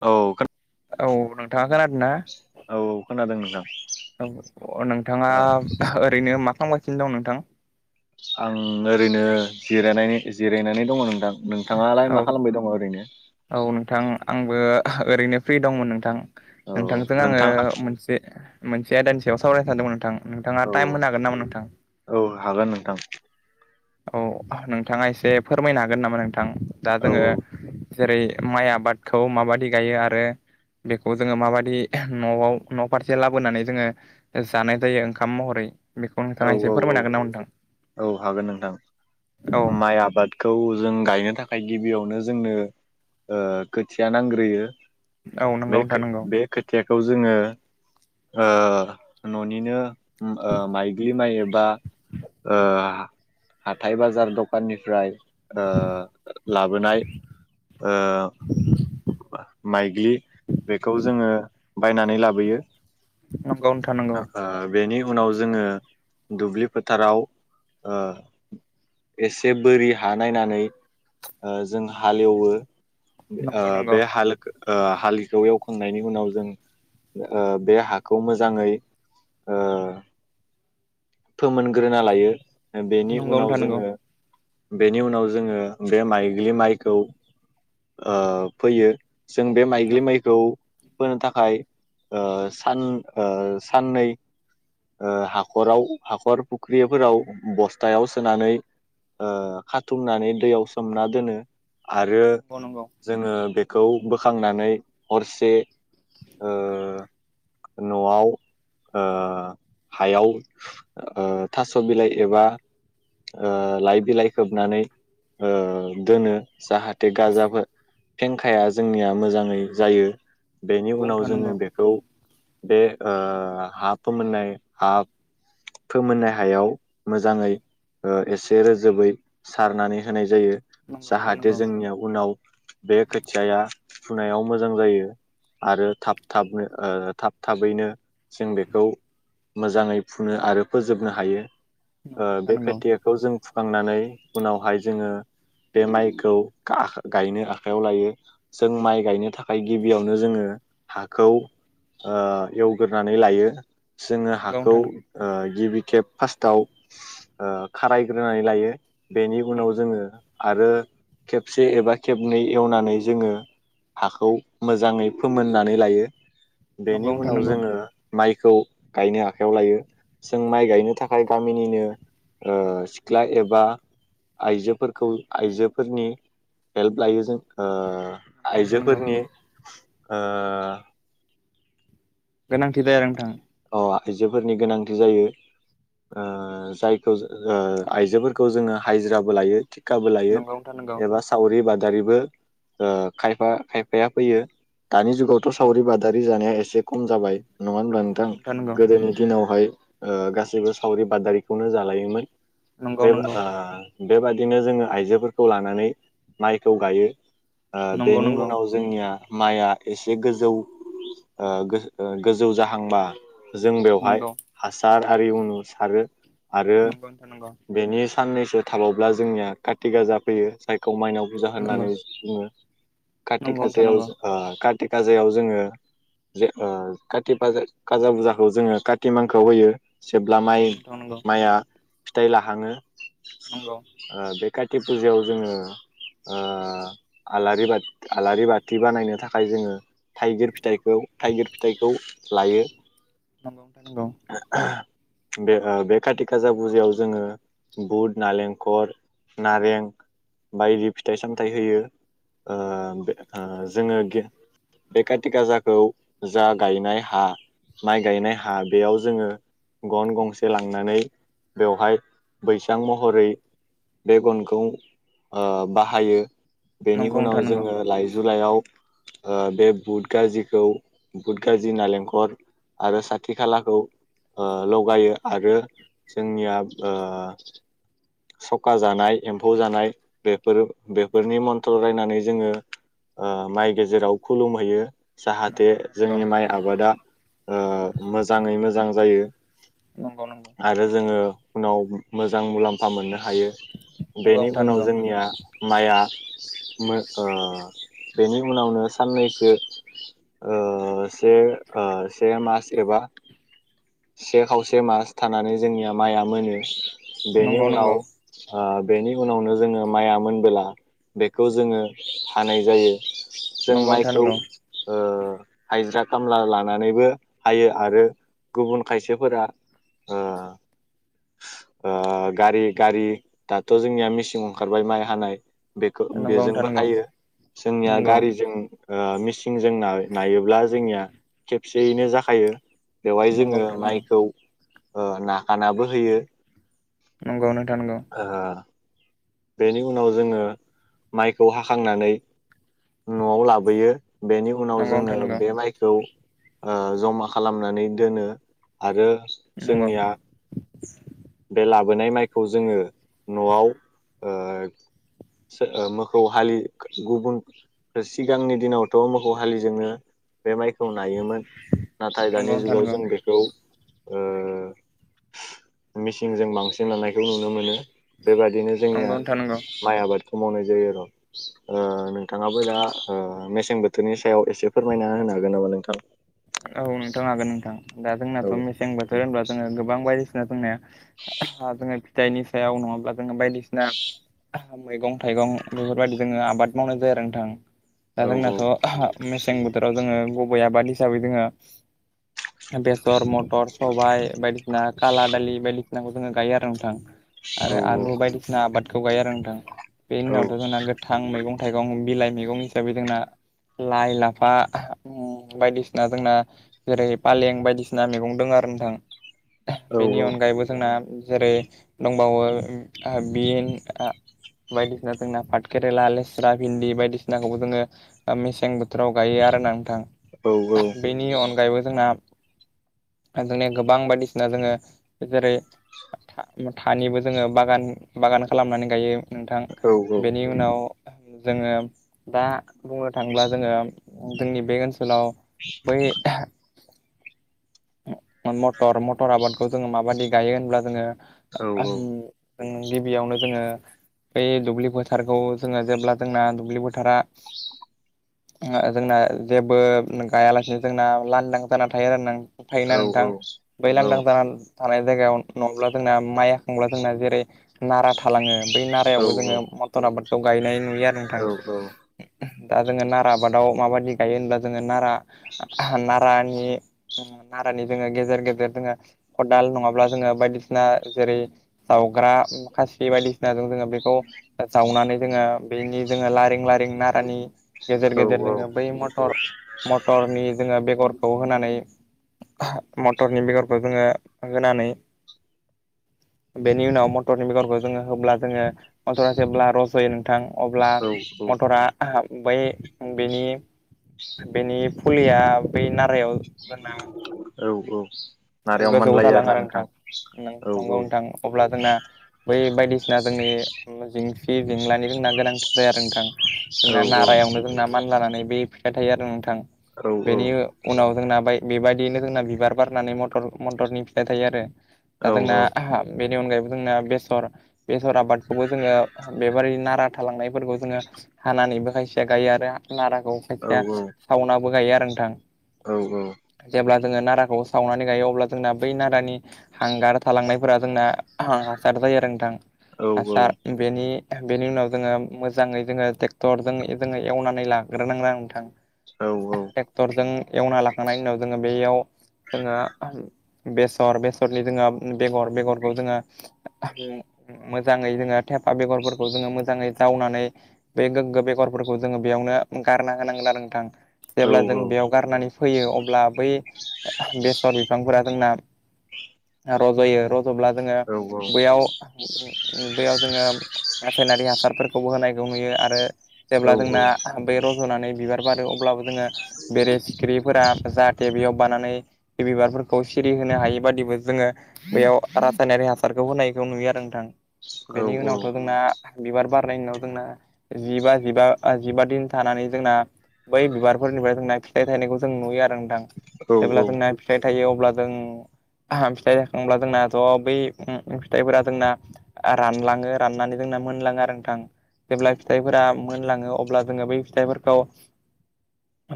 औ औ नोंथाङा खोनादों ना औ औ खोनादों नोंथां औ नोंथाङा ओ ओरैनो मा खालामगासिनो दं नोंथां आं ओरैनो जिराय जिरायनानै दङ नोंथां नोंथाङालाय औ मा खालामबाय दङ ओरैनो औ नोंथां आंबो ओरैनो फ्रि दंमोन नोंथां औ नोंथांजों आङो नोंथां मोनसे मोनसे आयदानि सायाव सावरायनो थानदोंमोन नोंथां नोंथाङा औ टाइम होनो हागोन नामा नोंथां? औ हागोन नोंथां औ नोंथाङा एसे फोरमायनो हागोन नामा नोंथां दा औ जोङो जेरै माइ आबादखौ माबादि गायो आरो बेखौ जोङो माबायदि न'आव न' फारसे लाबोनानै जोङो जानाय जायो ओंखाम महरै बेखौ औ नोंथाङा एसे औ औ फोरायनो हागोन नामा नोंथां औ हागोन नोंथां औ माइ आबादखौ जों गायनो थाखाय गिबियावनो जोंनो खोथिया नांग्रोयो। औ नंगौ बे नोंथां नंगौ बे खोथियाखौ जोङो ओ न'निनो माइग्लि माइ एबा ओ हाथाय बाजार दखाननिफ्राय ओ लाबोनाय ओ माइग्लि बेखौ जोङो बायनानै लाबोयो नंगौ नोंथां नंगौ आ बेनि उनाव जोङो दुब्लि फोथाराव ओ एसे बोरि हा नायनानै जों हालेवो आ नंगौ नंगौ बे हाल ओ हालिखौ एवखांनायनि उनाव जों ओ बे हाखौ मोजाङै ओ फोमोनग्रोना लायो बेनि नंगौ उनाव नोंथां नंगौ जोङो बेनि उनाव जोङो बे माइग्लि माइखौ ओ फैयो जों बे माइग्लि नंगौ माइखौ फोनो थाखाय सान साननै ओ हाखराव हाखर फुख्रिफोराव बस्थायाव सोनानै ओ खाथुमनानै दैयाव सोमना दोनो आरो नंगौ नंगौ जोङो बेखौ बोखांनानै हरसे ओ न'वाव ओ हायाव ओ थास' बिलाइ एबा ओ लाइ बिलाइ खोबनानै दोनो ओ जाहाथे गाजा फेंखाया जोंनिया मोजाङै जायो बेनि उनाव जोङो बेखौ बे ओ हा फोमोननाय हा फोमोननाय हायाव मोजाङै एसे रोजोबै सारनानै होनाय जायो नंगौ नोंथां जाहाथे नंगौ जोंनिया उनाव बे खोथियाया फुनायाव मोजां जायो आरो थाब थाबनो ओ थाब थाबैनो जों बेखौ मोजाङै फुनो आरो फोजोबनो हायो ओ नंगौ बे नोंथां खोथियाखौ जों फुखांनानै उनावहाय जोङो बे माइखौ गायनो आखाइयाव लायो जों माइ नंगौ गायनो थाखाय गिबियाव नो जोङो हाखौ एवग्रोनानै लायो जोङो नंगौ हाखौ नोंथां नंगौ ओ गिबि खेब फार्स्टआव ओ खारायग्रोनानै लायो बेनि उनाव नंगौ जोङो आरो खेबसे एबा खेबनै एवनानै जोङो हाखौ मोजाङै फोमोननानै लायो बेनि नोंथां उनाव नंगौ जोङो माइखौ गायनो आखायाव लायो जों माइ नंगौ गायनो थाखाय गामिनिनो ओ सिख्ला एबा आइजोफोरखौ आइजोफोरनि हेल्प लायो जों ओ नोंथां नंगौ नोंथां नंगौ आइजोफोरनि ओ गोनांथि जायो आरो नोंथां आइजोफोरनि गोनांथि जायो ओ जायखौ ओ आइजोफोरखौ जोङो हाजिराबो लायो थिग थिखाबो लायो नंगौ नोंथां नंगौ एबा सावरि बादालिबो ओ खायफा खायफाया फैयो दानि जुगावथ' सावरि बादारि जानाया एसे खम जाबाय नङा होनब्ला नोंथां नंगौ नंगौ गोदोनि दिनावहाय गासैबो सावरि बादारिखौनो जालायोमोन नंगौ नोंथां नंगौ बे बेबादिनो जोङो आइजोफोरखौ लानानै माइखौ गायो ओ नंगौ नंगौ बेनि उनाव जोंनिया माइआ एसे गोजौ गोजौ जाहांबा जों बेवहाय हासार आरि उनु सारो आरो नंगौ बेनि साननैसो थाबावब्ला जोंनिया कार्ति गाजा फैयो जायखौ माइनाव फुजा नंगौ होननानै बुङो काति नोंथां काजायाव ओ नंगौ कात काति गाजायाव जोङो जे ओ खाजाजा बुरजा खौ जोङो काति मांखौआव होयो जेब्ला नंगौ माइ नंगौ नोंथां नंगौ माइआ फिथाइ लाहाङो नंगौ नोंथां नंगौ नंगौ ओ बे काति फुजायाव जोङो ओ आलारि बाथि आलारि बाथि बानायनो थाखाय जोङो थाइगिर फिथाइखौ थाइगिर फिथाइखौ लायो। नंगौ नोंथां नंगौ बे बे काति खाजा फुजायाव जोङो बुध नालेंखर नारें बायदि फिथाइ सामथाइ होयो। ओ ओ जोङो बे का थि गाजाखौ जा गायनाय हा माइ गायनाय हा बेयाव जोङो गन गंसे लांनानै बेवहाय बैसां महरै बे गनखौ बाहायो बेनि नंगौ नोंथां नंगौ नोंथां नंगौ उनाव जोङो लाइ जु लाइयाव बे बुट गाजिखौ बुट गाजि नालेंखर आरो साथि खालाखौ लगायो आरो जोंनिया सखा जानाय एम्फौ जानाय बेफोर बेफोरनि मन्थ्र रायनानै जोङो माइ गेजेराव खुलुमहैयो जाहाथे जोंनि माइ आबादा मोजाङै मोजां जायो नंगौ आरो जोङो उनाव मोजां मुलाम्फा मोनो हायो बेनि नोंथां उनाव नंगौ जोंनिया माइआ ओ बेनि उनावनो साननैसो ओ से ओ से मास एबा से खावसे मास थानानै जोंनिया माइआ मोनो बेनि नंगौ उनाव नंगौ ओ बेनि उनावनो जोङो माइआ मोनबोला बेखौ जोङो हानाय जायो। जों नंगौ नोंथां माइखौ नंगौ हायजिर खामला लानानैबो हायो आरो गुबुन खायसेफोरा ओ ओ गारि गारि दाथ' जोंनिया मेसिं ओंखारबाय माइ हानाय। बेखौ नंगौ नोंथां बेजोंबो नंगौ हायो जोंनिया नंगौ गारिजों ओ मिसिं जों नायोब्ला जोंनिया खेबसे जाखायो बेवहाय नंगौ जोङो माइखौ ओ नाखानाबो होयो। नंगौ नों नोंथां ओ बेनि उनाव जोङो माइखौ हाखांनानै न'आव लाबोयो बेनि उनाव नंगौ जोङो नोंथां नंगौ बे माइखौ ओ जमा खालामनानै दोनो आरो नंगौ जोंनिया बे लाबोनाय माइखौ जोङो न'आव ओ ओ मोखौ हालि गुबुन सिगांनि दिनावथ' मोखौ हालि जोंनो बे माइखौ नायोमोन नाथाय नोंथां नंगौ नंगौ दानि नोंथां जुगाव नंगौ जों बेखौ ओ मिसिनजों बांसिन लानायखौ नुनो मोनो। बेबादिनो जोंनिया नंगौ नोंथां नंगौ माइ आबाद मावनाय जायो ओ नोंथाङाबो दा ओ मेसें बोथोरनि सायाव एसे फोरमायना हो हागोन नामा नोंथां? औ नोंथां हागोन नोंथां दा जोंनाथ' औ मेसें बोथोर होनबा जोङो गोबां बायदिसिना जोंना जोङो फिथाइनि सायाव नङाब्ला जोङो बायदिसिना मैगं थाइगं बेफोरबायदि जोङो आबाद मावनाय जायो आरो नोंथां दा औ जोंनाथ' मे सें बोथोराव जोङो गुबै आबाद हिसाबै जोङो बेसर म थर सबाइ बायदिसिना खााला दालि बायदिसिनाखौ जोङो गायो आरो नोंथां। औ आरो आलु बायदिसिना आबादखौ गायो आरो नोंथां। बे औ उनावथ' जोंना गोथां मैगं थाइगं बिलाइ मैगं दं हिसाबै जोंना लाइ लाफा बायदिसिना ना जोंना जेरै फालें बायदिसिना मैगं दं आरो नोंथां। बेनि अनगायैबो जोंना जेरै दंबावो ओ बिन ओ बायदिसिना जोंना पाट केेरेला लेस्रा भिन्दि बायदिसिनाखौबो जोङो ओ मेसें बोथोराव गायो आरो ना नोंथां औ औ बेनि अनगायैबो जोंना जोंनि गोबां बायदिसिना जोङो जेरै थानिबो जोङो बागान बागान खालामनानै गायो। नोंथां नारायाव मानलायो आरोना औ बेनि उनाव जोङो दा बुंनो थाङोब्ला जोङो जोंनि बे ओनसोलाव बै मटर मटर आबादखौ जोङो माबायदि गायो होनब्ला जोङो ओ औ जों गिबियावनो जोङो बे दुब्लि फोथारखौ जोङो जेब्ला जोंना दुब्लि फोथारा जोंना जेबो गायालासेनो जोंना लांदां जाना थायो आरो ना। थायोना नोंथां बै लांदां औ जाना थानाय जायगायाव नङाब्ला जोंना माइ हाखांब्ला जोंना जेरै नारा थालाङो बै नारायावबो जोङो मटर आबादखौ गायनाय नुयो आरो नोंथां। औ औ दा जोङो नारा आबादाव माबायदि गायो होनब्ला जोङो नारा नारानि नारानि जोङो गेजेर गेजेर जोङो खदाल नङाब्ला जोङो बायदिसिना जेरै जाव फोरा खासि बायदिसिनाजों जोङो बेखौ जावनानै जोङो बेनि जोङो लारिं लारि नारानि औ गेजेर औ गेजेर जोङो बै मटर मटरनि जोङो बेगर खौ होनानै मथरनि बेगरखौ जोङो होनानै बेनि उनाव मटरनि बेगरखौ जोङो होब्ला जोङो मटरा जेब्ला रस होयो नोंथां अब्ला औ मटरा बै बेनि बेनि फुलिया बै नारायाव जोंना औ औ नारायाव गोजौ मानलायो जालाङो आरोना आरो नोंथां नों औ नंगौ नोंथां अब्ला जोंना बै बायदिसिना जोंनि जिंसि जेंलानि जोंना गोनांथिथार आरो नोंथां औ जोंना नारायावनो जोंना मान लानानै बे फिथा थायो आरो नोंथां औ औ बेनि उनाव जोंना बेबायदियैनो जोंना बिबार बारनानै मथ र मटरनि फिथाइ थायो आरो दा औ जोंना बे नि अनगायैबो जोंना बेसर बेसर आबादखौबो जोङो बेबादि नारा थालांनाय फोरफोरखौ जोङो हानानैबो खायसेया गायो आरो नाराखौ खायसेया सावनाबो गायो आरो नोंथां औ औ जेब्ला जोङो नाराखौ सावनानै गायो अब्ला जोंना बै नारानि हांगार थालांनायफोरा जोंना हासार जायो आरो नोंथां हासार बेनि बेनि उनाव जोङो मोजाङै जोङो ट्रेक्टरजों जोङो एवनानै लाग्रोनांदों नोंथां ट्रेक्टरजों एवना लाखांनायनि उनाव जोङो बेयाव जोङो बेसर बेसरनि जोङो बेगर बेगरखौ जोङो मोजाङै जोङो थेफा बेगरफोरखौ जोङो मोजाङै दावनानै बे गोग्गो बेगरफोरखौ जोङो बेयावनो गारना होनांगोन आरो नोंथां जेब्ला जों बेयाव गारनानै फैयो अब्ला बै बेसर बिफांफोरा जोंना रज'यो जब्ला जोङो बैयाव बेयाव जोङो रासायनारि हासारफोरखौबो होनायखौ नुयो आरो जेब्ला जोंना बे रज'नानै बिबार बारो अब्लाबो जोङो बेरे फिखिरिफोरा जाहाथे बेयाव बानानै बे बिबार खौ सिरि होनो हायि बादिबो जोङो बेयाव रासायनारि हासारखौ होनायखौ नुयो आरो नोंथां बेनि उनावथ' जोंना बिबार बारनायनि उनाव जोंना जिबा जिबा जिबा दिन थानानै जोंना बै बिबारफोरनिफ्राय जोंना फिथाइ थायनायखौ जों नुयो आरो नोंथां जेब्ला जोंना फिथाइ थायो अब्ला जों आ फिथाइ जाखांब्ला जोंना ज बै फिथाइफोरा जोंना रानलाङो राननानै जों मोनलाङो आरो नोंथां जेब्ला फिथाइफोरा मोनलाङो अब्ला जोङो बै फिथाइफोरखौ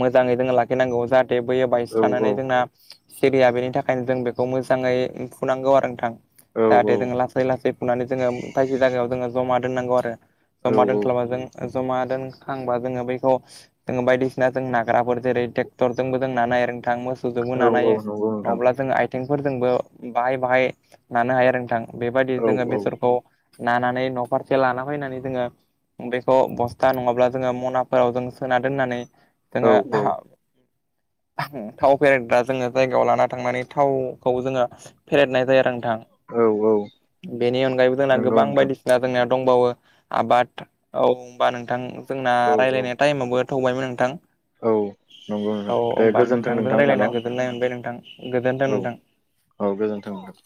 मोजाङै जोङो लाखिनांगौ जाहा- थे बैयो बायस्रानानै जोंना सिरिया बेनि थाखायनो जों बेखौ मोजाङै फुनांगौ आरो नोंथां जाहाथे जोङो लासै लासै फुनानै जोङो खायसे जायगायाव जोङो जमा दोननांगौ आरो जमा दोनख्लाबाजों जमा दोनखांबा जोङो बेखौ जोङो बायदिसिना जों नाग्राफोर जेरै ट्रेक्टरजोंबो जों नानाय आरो नोंथां मो बस्थुजोंबो नानाय नंगौ हायो नङाब्ला जों आइजें फोरजोंबो बाहाय बाहाय नानो हायो आरो नोंथां बेबायदि जोङो बेसरखौ नानानै न' फारसे लाना फैनानै जोङो बेखौ बस्था नङाब्ला जोङो मनाफोराव जों सोना दोननानै जोङो थाव फेरेटग्रा जोङो जायगायाव लाना थांनानै थावखौ जोङो फेरेदनाय जायो आरो बेनि अनगायैबो जोंना गोबां नोंथां बायदिसिना जोंनिया दंबावो आबाद औ होनबा नोंथां जोंना औ रायलायनाय टाइमावबो थौबायमोन नोंथां औ औ होनोमबा नोंथांजों रायज्लायना गोजोन नाय औ औ गोजोन्थों नोंथां